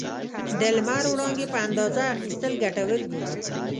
د لمر وړانګې په اندازه اخیستل ګټور دي.